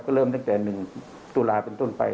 ก็เริ่มตั้งแต่๑ตุลาเป็นต้นไป